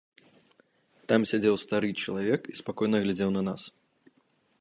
Там сядзеў стары чалавек і спакойна глядзеў на нас.